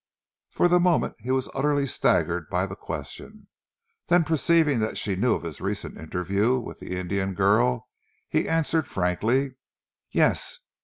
For the moment he was utterly staggered by the question, then perceiving that she knew of his recent interview with the Indian girl, he answered frankly: "Yes!